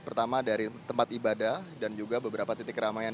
pertama dari tempat ibadah dan juga beberapa titik keramaian